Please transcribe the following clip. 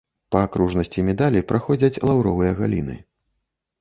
Па акружнасці медалі праходзяць лаўровыя галіны.